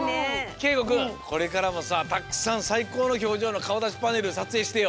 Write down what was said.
けいごくんこれからもさたくさんさいこうのひょうじょうのかおだしパネルさつえいしてよ！